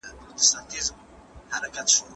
ښځه حق لري چي د خپل ژوند د برخلیک په ټاکلو کي نظر ولري